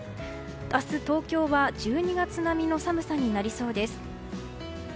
明日、東京は１２月並みの寒さになりそうです。